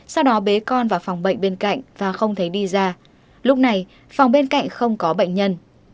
sau đó bế con vào phòng bệnh bên cạnh và không thấy đi ra lúc này phòng bên cạnh không có bệnh nhân